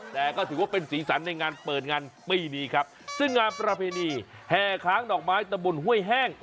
แต่ก็ถือว่าเป็นสีสันในงานเปิดงานปีนี้ครับซึ่งงานประเพณีแห่ค้างดอกไม้ตะบนห้วยแห้ง